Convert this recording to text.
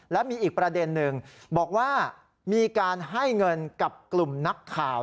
และมีอีกประเด็นหนึ่งบอกว่ามีการให้เงินกับกลุ่มนักข่าว